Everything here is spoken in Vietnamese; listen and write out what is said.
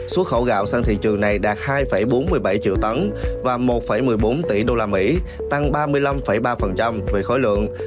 xuất khẩu gạo sang thị trường này đạt hai bốn mươi bảy triệu tấn và một một mươi bốn tỷ usd tăng ba mươi năm ba về khối lượng